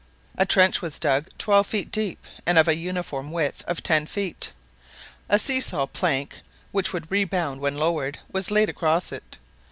A trench was dug twelve feet deep, and of a uniform width of ten feet. A see saw plank, which would rebound when lowered, was laid across it.